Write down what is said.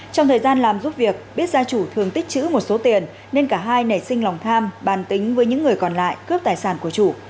trong thời gian làm giúp việc biết gia chủ thường tích chữ một số tiền nên cả hai nảy sinh lòng tham bàn tính với những người còn lại cướp tài sản của chủ